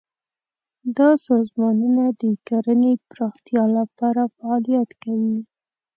دا سازمانونه د کرنې پراختیا لپاره فعالیت کوي.